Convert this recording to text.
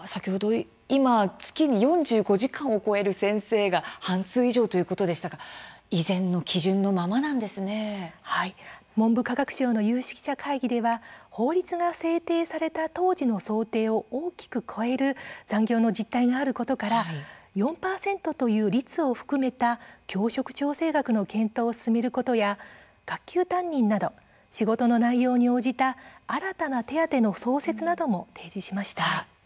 今、月に４５時間を超える先生が半数ということですから文部科学省の有識者会議では法律が制定された当時と想定を大きく超える残業の実態があることから４％という率を含めた教職調整額の検討を進めることや学級担任など仕事の内容に応じた新たな手当の創設なども提示しました。